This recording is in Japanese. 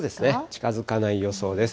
近づかない予想です。